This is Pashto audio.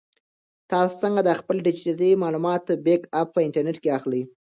تاسو څنګه د خپلو ډیجیټل معلوماتو بیک اپ په انټرنیټ کې اخلئ؟